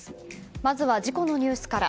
まずは事故のニュースから。